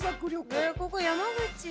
ここ山口？